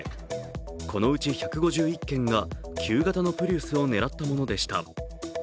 このうち１５１件が旧型のプリウスを狙ったものでした。